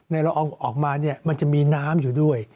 ในละอองฝอยออกมามันจะมีน้ำอยู่ด้วย